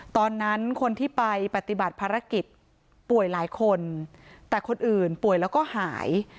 ตอนนั้นคนที่ไปปฏิบัติภารกิจป่วยหลายคนแต่คนอื่นป่วยแล้วก็หาย